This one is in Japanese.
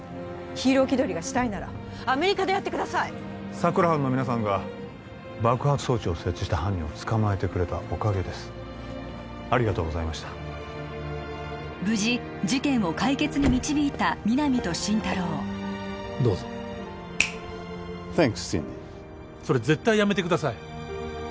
ヒーロー気取りがしたいならアメリカでやってください佐久良班の皆さんが爆発装置を設置した犯人を捕まえてくれたおかげですありがとうございました無事事件を解決に導いた皆実と心太朗どうぞサンクスシンディーそれ絶対やめてください